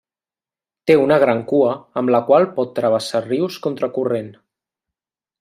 Té una gran cua amb la qual pot travessar rius contra corrent.